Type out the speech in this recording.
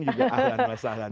juga ahlan ahlan silahkan